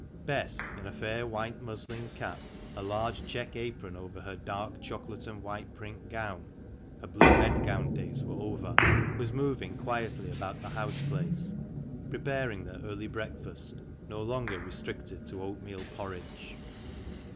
Bess, in a fair white muslin cap, a large check apron over her dark chocolate and white print gown (her blue bedgown days were over), was moving quietly about the house place, preparing their early breakfast, no longer restricted to oatmeal porridge.